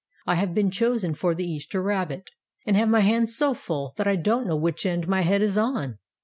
"I have been chosen for the Easter rabbit, and have my hands so full that I don't know which end my head is on."